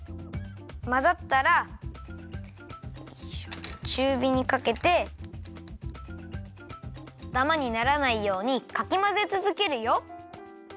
まざったらちゅうびにかけてダマにならないようにかきまぜつづけるよ。